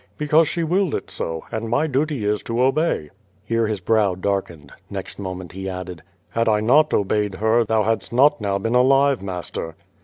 '' "Because she willed it so, and my duty is to obey." Here his brow darkened. Xext moment he added: "Had I not obeyed her thou hadst not now been alive, master."